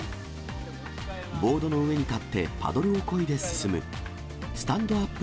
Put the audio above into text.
ボードの上に立ってパドルをこいで進むスタンド・アップ